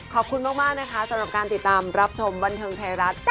ขอบคุณมากนะคะสำหรับการติดตามรับชมบันเทิงไทยรัฐ